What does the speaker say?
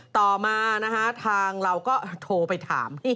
ต่อมานะคะทางเราก็โทรไปถาม